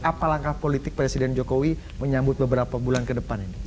apa langkah politik presiden jokowi menyambut beberapa bulan ke depan ini